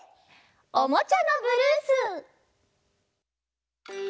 「おもちゃのブルース」。